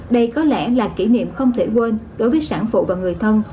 đây có lẽ là kỷ niệm không thể quên đối với sản phụ và người thân